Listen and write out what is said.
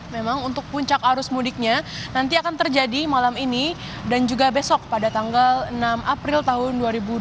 memang untuk puncak arus mudiknya nanti akan terjadi malam ini dan juga besok pada tanggal enam april tahun dua ribu dua puluh